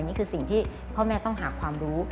นี่คือสิ่งที่พ่อแม่ต้องหาความรู้